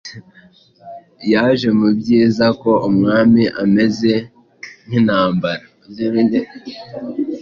Yaje mubyizako umwami ameze nkintambara